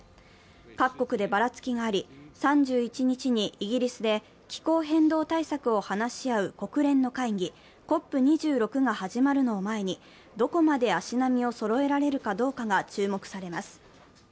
各国でばらつきがあり、３１日にイギリスで気候変動対策を話し合う国連の会議、ＣＯＰ２６が始まるのを前にどこまで足並みをそろえられるかどうかが注目されます。